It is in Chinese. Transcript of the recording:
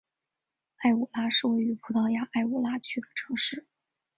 埃武拉是位于葡萄牙埃武拉区的城市。